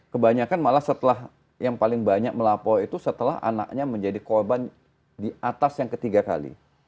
kebanyakan malah setelah yang paling banyak melapor itu setelah anaknya menjadi korban di atas yang ketiga kali